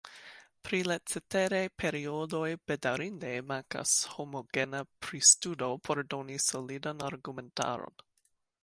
Pri la ceteraj periodoj bedaŭrinde mankas homogena pristudo por doni solidan argumentaron.